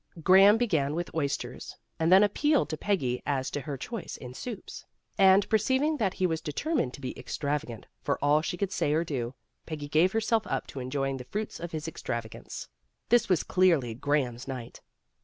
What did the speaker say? Graham began with oysters and then appealed to Peggy as to her choice in soups. And perceiving that he was determined to be extravagant, for all she could say or do, Peggy gave herself up to enjoying the fruits of his extravagance. This was clearly Graham's night.